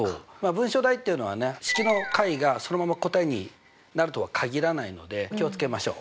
文章題っていうのはね式の解がそのまま答えになるとは限らないので気を付けましょう。